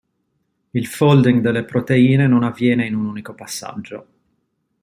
Il folding delle proteine non avviene in un unico passaggio.